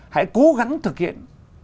hãy cố gắng thực hiện